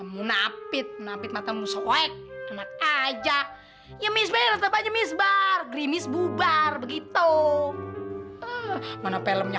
munafit munafit mata musuh wek aja ya misbar tempatnya misbar grimis bubar begitu mana filmnya